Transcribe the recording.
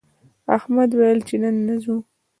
احمد ویل چې نن نه ځو